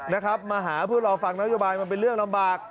นะครับมาหาเพื่อรอฟังนโยบายมันเป็นเรื่องลำบาก